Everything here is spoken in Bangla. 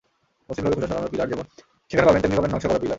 মসৃণভাবে খোসা ছাড়ানোর পিলার যেমন সেখানে পাবেন, তেমনি পাবেন নকশা করা পিলার।